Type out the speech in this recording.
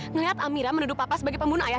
ngeliat amira menuduh papa sebagai pembunuhnya